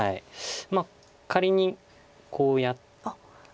まあ仮にこうやって。